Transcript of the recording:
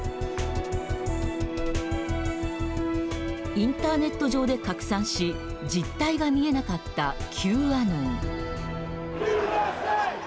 インターネット上で拡散し実態が見えなかったＱアノン。